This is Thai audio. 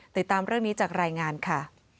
ติดตามเรื่องนี้จากรายงานค่ะ